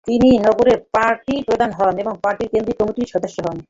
তিনি নগরের পার্টি প্রধান হন এবং পার্টির কেন্দ্রীয় কমিটির সদস্য হন।